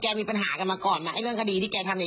แกมีปัญหากันมาก่อนเรื่องคดีที่แกทำใหญ่